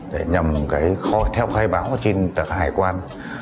để nhằm theo khai báo trên tạc khai hải quan